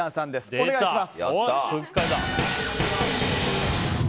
お願いします。